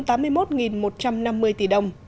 tám mươi một một trăm năm mươi tỷ đồng